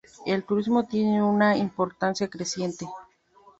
El turismo tiene una importancia creciente.